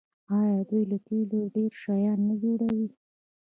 آیا دوی له تیلو ډیر شیان نه جوړوي؟